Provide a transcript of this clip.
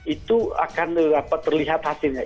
itu akan terlihat hasilnya